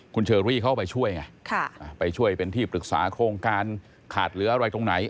คุณเชอรี่เข้าไปช่วยไงไปช่วยเป็นที่ปรึกษาโครงการขาดเหลืออะไรตรงไหน